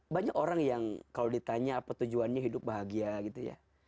banyak orang yang kalau ditanya apa tujuannya hidup bahagia gitu ya